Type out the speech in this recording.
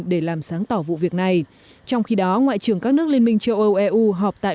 để làm sáng tỏ vụ việc này trong khi đó ngoại trưởng các nước liên minh châu âu eu họp tại